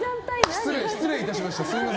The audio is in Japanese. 失礼いたしました。